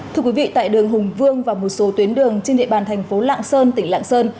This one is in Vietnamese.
thưa quý vị tại đường hùng vương và một số tuyến đường trên địa bàn thành phố lạng sơn tỉnh lạng sơn